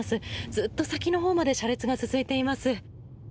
ずっと先のほうまで車列が続いています。